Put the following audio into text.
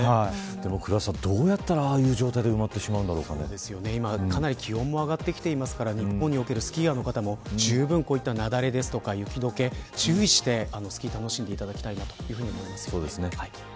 でも倉田さん、どうやったらああいう状態で今はかなり気温も上がってきているので日本におけるスキーヤーの方もじゅうぶん雪崩や雪解け、注意してスキーを楽しんでいただきたいなと思います。